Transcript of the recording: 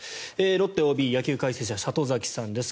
ロッテＯＢ、野球解説者の里崎さんです。